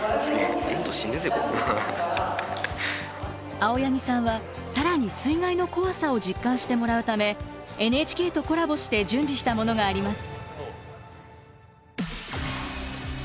青柳さんは更に水害の怖さを実感してもらうためＮＨＫとコラボして準備したものがあります。